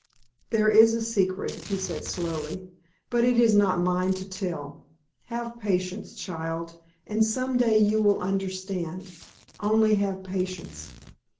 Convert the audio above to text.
"There is a secret," he said, slowly, "but it is not mine to tell. Have patience, child, and some day you will understand. Only have patience."